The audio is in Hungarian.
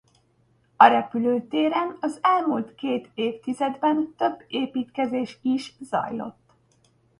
A repülőtéren az elmúlt két évtizedben több építkezés is zajlott.